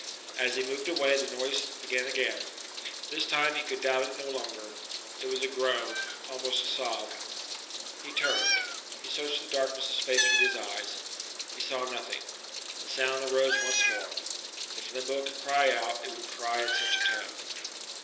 As he moved away the noise began again. This time he could doubt it no longer. It was a groan, almost a sob. He turned. He searched the darkness of space with his eyes. He saw nothing. The sound arose once more. If limbo could cry out, it would cry in such a tone.